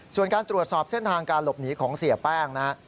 ส่วนการตรวจสอบเส้นทางการหลบหนีของเสียแป้งนะฮะ